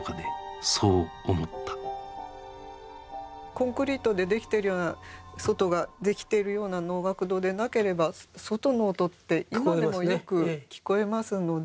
コンクリートで出来てるような外が出来てるような能楽堂でなければ外の音って今でもよく聞こえますので。